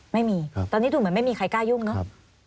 ไม่มีตอนนี้ดูเหมือนไม่มีใครกล้ายุ่งเนอะ